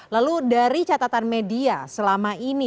lalu dari catatan media selama ini